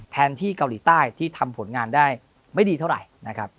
แทนที่เกาหลีใต้ที่ทำผลงานได้ไม่ดีเท่าไหร่